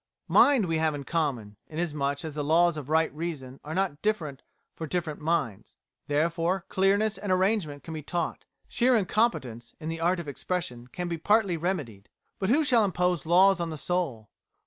Mind we have in common, inasmuch as the laws of right reason are not different for different minds. Therefore clearness and arrangement can be taught, sheer incompetence in the art of expression can be partly remedied. But who shall impose laws on the soul?